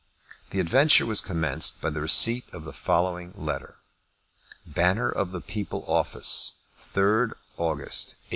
The adventure was commenced by the receipt of the following letter: Banner of the People Office, 3rd August, 186